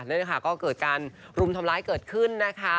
นั่นนะคะก็เกิดการรุมทำร้ายเกิดขึ้นนะคะ